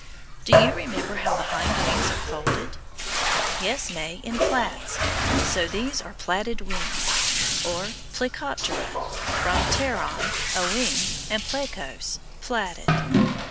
Do you remember how the hind wings are folded? Yes, May, in plaits, so these are the plaited wings, or PLE COP TE RA, from pteran, a wing, and plecos, plaited.